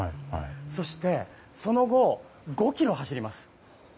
そして、その後５ｋｍ走ります。